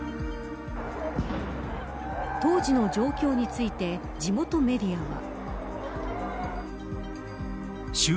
当時の状況について地元メディアは。